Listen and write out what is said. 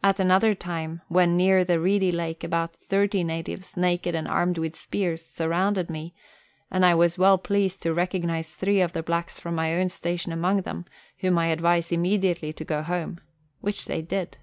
At another time, when near the Reedy Lake, about 30 natives, naked and armed with spears, surrounded me, and I was well pleased to recognise three of the blacks from my own station among them, whom I advised immediately to go home which they did.